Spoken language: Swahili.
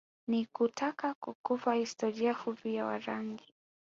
Ni kutaka kukupa historia fupi ya Warangi